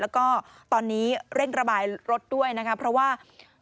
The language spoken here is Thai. แล้วก็ตอนนี้เร่งระบายรถด้วยนะคะเพราะว่า